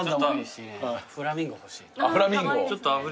フラミンゴ欲しい。